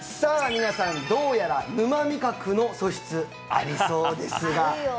皆さんどうやら沼味覚の素質ありそうですがあるよ